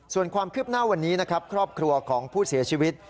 ส่วนความคืบหน้าวันนี้นะครับครอบครัวของผู้เสียชีวิต